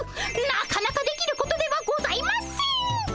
なかなかできることではございません！